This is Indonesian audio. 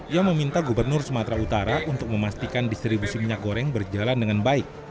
ia meminta gubernur sumatera utara untuk memastikan distribusi minyak goreng berjalan dengan baik